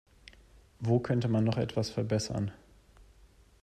Wo könnte man noch etwas verbessern?